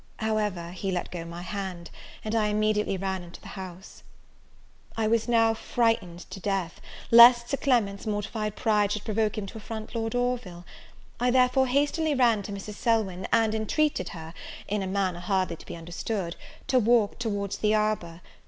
However, he let go my hand, and I immediately ran into the house. I was now frightened to death, lest Sir Clement's mortified pride should provoke him to affront Lord Orville: I therefore ran hastily to Mrs. Selwyn, and entreated her, in a manner hardly to be understood, to walk towards the arbour.